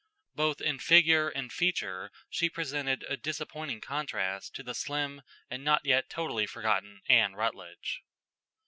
Both in figure and feature she presented a disappointing contrast to the slim and not yet totally forgotten Anne Rutledge.